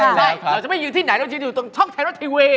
ใช่เราจะไม่ยืนที่ไหนเรายืนอยู่ตรงช่องไทยรัฐทีวี